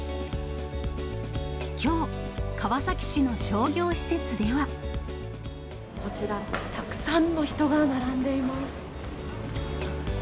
きょう、川崎市の商業施設でこちら、たくさんの人が並んでいます。